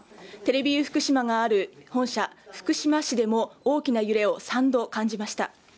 テレビ福島がある福島市でも大きな揺れを３度感じました。